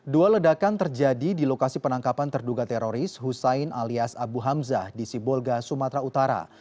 dua ledakan terjadi di lokasi penangkapan terduga teroris hussein alias abu hamzah di sibolga sumatera utara